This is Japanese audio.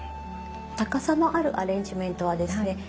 高さのあるアレンジメントはですね